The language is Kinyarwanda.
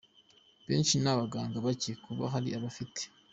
benshi n’abaganga bake. Kuba hari abafite.